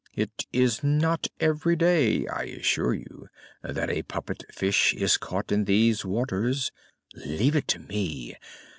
It is not every day, I assure you, that a puppet fish is caught in these waters. Leave it to me.